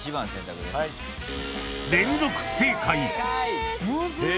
［連続不正解］